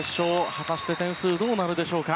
果たして点数はどうなるでしょうか。